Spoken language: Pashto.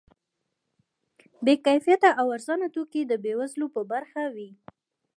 بې کیفیته او ارزانه توکي د بې وزلو په برخه وي.